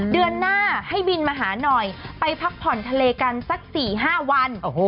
เดือนหน้าให้บินมาหาหน่อยไปพักผ่อนทะเลกันสัก๔๕วัน